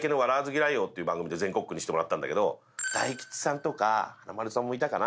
「ていう番組で全国区にしてもらったんだけど大吉さんとか華丸さんもいたかな。